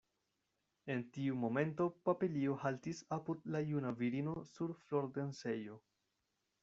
En tiu momento papilio haltis apud la juna virino sur flordensejo.